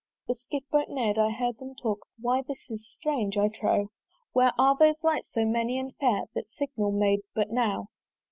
The Skiff boat ne'rd: I heard them talk, "Why, this is strange, I trow! "Where are those lights so many and fair "That signal made but now?